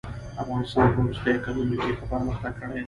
افغانستان په وروستيو کلونو کښي ښه پرمختګ کړی دئ.